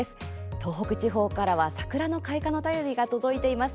東北地方からは桜の開花の便りが届いています。